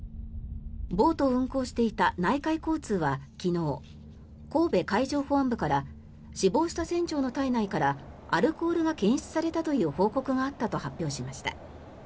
ボートを運航していた内海交通は昨日神戸海上保安部から死亡した船長の体内からアルコールが検出されたという報告があったと発表しました。